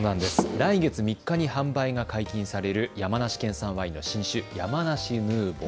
来月３日に販売が解禁される山梨県産ワインの新酒、山梨ヌーボー。